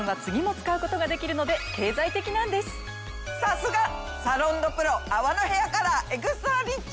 さすがサロンドプロ泡のヘアカラー・エクストラリッチ！